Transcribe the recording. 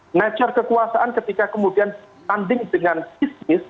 ngecer kekuasaan ketika kemudian tanding dengan bisnis